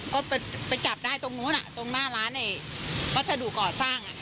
ก็ไปจับได้ตรงนู้นตรงหน้าร้านไอ้วัสดุก่อสร้าง